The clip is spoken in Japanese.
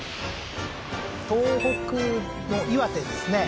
東北の岩手ですね